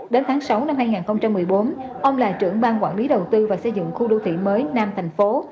đến tháng sáu năm hai nghìn một mươi bốn ông là trưởng ban quản lý đầu tư và xây dựng khu đô thị mới nam thành phố